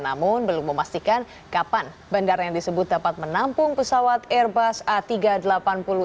namun belum memastikan kapan bandara yang disebut dapat menampung pesawat airbus a tiga ratus delapan puluh